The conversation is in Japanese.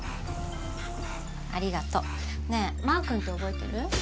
ありがとうねえマー君って覚えてる？